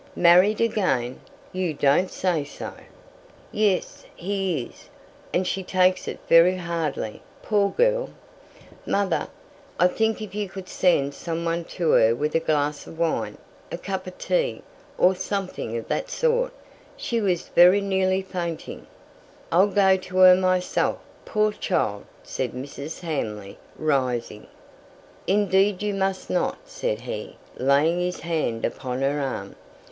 "Married again! You don't say so." "Yes, he is; and she takes it very hardly, poor girl. Mother, I think if you could send some one to her with a glass of wine, a cup of tea, or something of that sort she was very nearly fainting " "I'll go to her myself, poor child," said Mrs. Hamley, rising. "Indeed you must not," said he, laying his hand upon her arm.